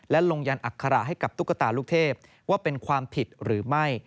และลงยันอัคระให้กับตุ๊กตาลูกเทพว่าเป็นความผิดหรือไม่